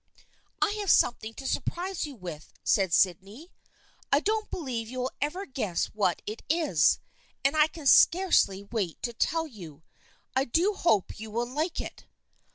" I have something to surprise you with," said Sydney. " I don't believe you will ever guess what it is, and I can scarcely wait to tell you. I do hope you will like it."